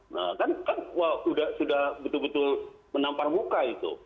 nah kan kan sudah betul betul menampar muka itu